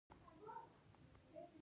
يوه ځوان سر راويست.